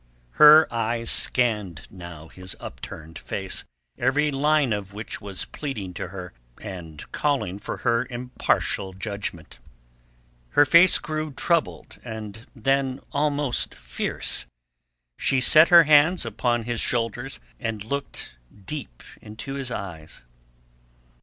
Her eyes scanned now his upturned face, every line of which was pleading to her and calling for impartial judgment. Her face grew troubled, and then almost fierce. She set her hands upon his shoulders, and looked deep into his eyes.